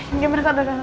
ini gimana kak dokter